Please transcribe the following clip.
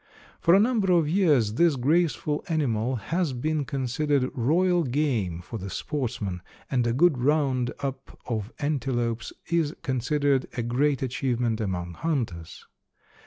For a number of years this graceful animal has been considered royal game for the sportsman and a good round up of antelopes is considered a great achievement among hunters.